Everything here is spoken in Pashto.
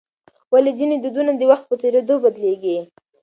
ولې ځینې دودونه د وخت په تېرېدو بدلیږي؟